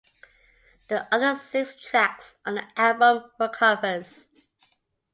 The other six tracks on the album were covers.